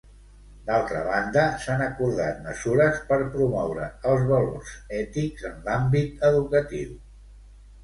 D'altra banda, s'han acordat mesures per promoure els valors ètics en l'àmbit educatiu.